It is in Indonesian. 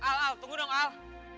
al al tunggu dong al